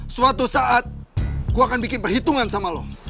suatu saat gue akan bikin perhitungan sama lo